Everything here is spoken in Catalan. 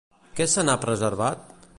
Què se n'ha preservat?